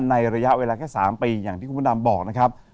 ระยะเวลาแค่๓ปีอย่างที่คุณพระดำบอกนะครับ